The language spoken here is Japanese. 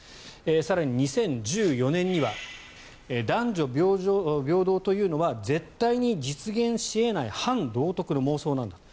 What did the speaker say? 更に２０１４年には男女平等というのは絶対に実現し得ない反道徳の妄想なんだと。